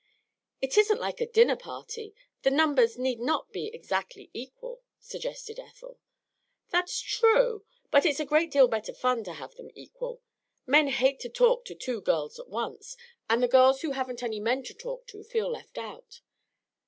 "It isn't like a dinner party. The numbers need not be exactly equal," suggested Ethel. "That's true, but it's a great deal better fun to have them equal. Men hate to talk to two girls at once, and the girls who haven't any men to talk to feel left out.